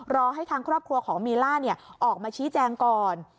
รอให้ทางครอบครัวของมีล่าออกมาชี้แจงก่อน